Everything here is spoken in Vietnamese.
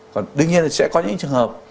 còn đương nhiên là sẽ có những trường hợp